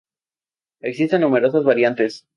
Existen numerosas variantes.